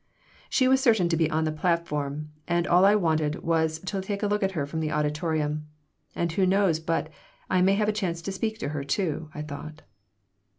She was certain to be on the platform, and all I wanted was to take a look at her from the auditorium. "And who knows but I may have a chance to speak to her, too," I thought.